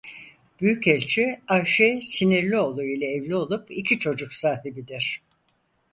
Büyükelçi Ayşe Sinirlioğlu ile evli olup iki çocuk sahibidir.